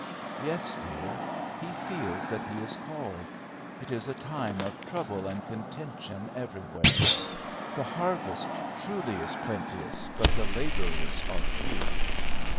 "Yes, dear. He feels that he is called. It is a time of trouble and contention everywhere: 'the harvest,' truly, 'is plenteous, but the laborers are few.'"